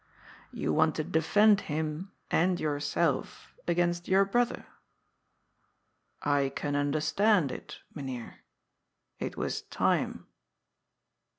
* You want to defend him — and yourself — against your brother. I can understand it. Mynheer. It was time."